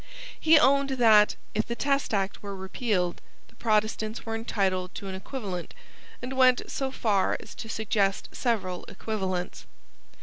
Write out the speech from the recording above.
He owned that, if the Test Act were repealed, the Protestants were entitled to an equivalent, and went so far as to suggest several equivalents.